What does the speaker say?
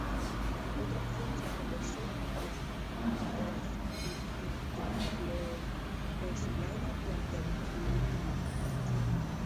Otra opción es la conversión de terc-butiltriclorosilano con terc-butil-litio.